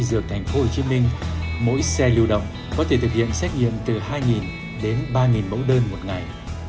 dược tp hcm mỗi xe lưu động có thể thực hiện xét nghiệm từ hai đến ba mẫu đơn một ngày